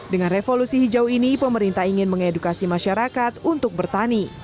dengan revolusi hijau ini pemerintah ingin mengedukasi masyarakat untuk bertani